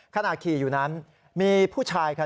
ขณะขี่อยู่นั้นมีผู้ชายค่ะ